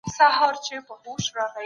د لاسکي شعار د سياست اصلي څېره بربنډوي.